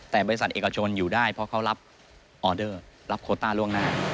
แต่บริษัทเอกชนอยู่ได้เพราะเขารับออเดอร์รับโคต้าล่วงหน้า